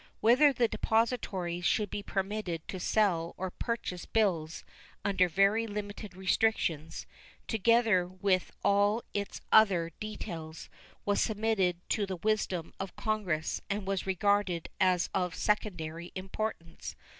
Whether the depositories should be permitted to sell or purchase bills under very limited restrictions, together with all its other details, was submitted to the wisdom of Congress and was regarded as of secondary importance.